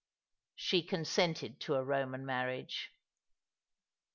She consented to a Roman marriage.